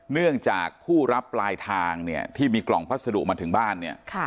เนื่องจากผู้รับปลายทางเนี่ยที่มีกล่องพัสดุมาถึงบ้านเนี่ย